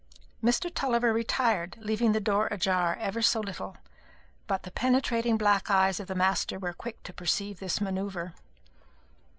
Mr. Tulliver retired, leaving the door ajar ever so little; but the penetrating black eyes of the master were quick to perceive this manoeuvre.